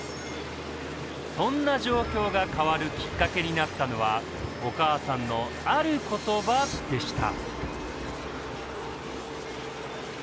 そんな状況が変わるきっかけになったのはお母さんのある言葉でした